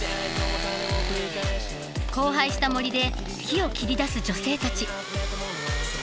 荒廃した森で木を切り出す女性たち。